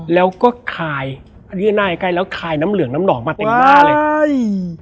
แล้วก็คายอันนี้หน้าใกล้ใกล้แล้วคายน้ำเหลืองน้ำหนองมาเต็มหน้าเลยใช่